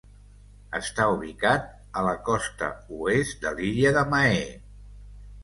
Està ubicat a la costa oest de l'illa de Mahé.